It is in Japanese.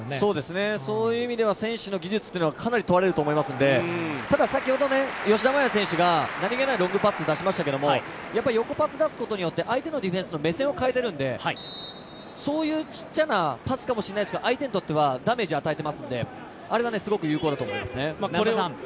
そういう意味では選手の技術はかなり問われると思いますので、ただ、先ほど吉田麻也選手がなにげないロングパスを出しましたけど横パス、出すことによって相手のディフェンスの目線を変えているのでそういう小さなパスかもしれませんけど相手にとってはダメージ与えていますので、あれがすごく有効だと思いますね。